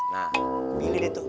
nah pilih deh tuh